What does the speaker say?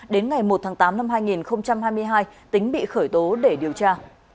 đến ngày một tháng tám năm hai nghìn hai mươi hai tính bị khởi tố để điều tra